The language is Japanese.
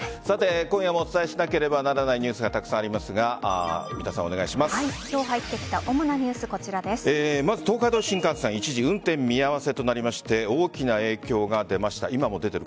今夜もお伝えしなければならないニュースがたくさんありますが今日入ってきた主なニュース東海道新幹線一時、運転見合わせとなりまして大きな影響が出ました。